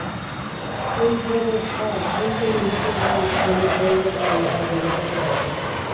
এই ব্যবস্থার অন্তর্নিহিত মালিক-শ্রমিক দ্বন্দ্বের কারণে তা ভেঙে পড়তে বাধ্য।